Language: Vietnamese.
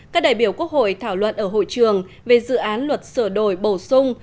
các đại biểu quốc hội thảo luận ở hội trường về dự án luật sửa đổi bổ sung